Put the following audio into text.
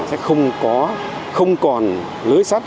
sẽ không còn lưới sắt